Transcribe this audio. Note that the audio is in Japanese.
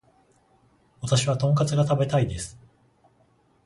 私はトンカツが食べたいです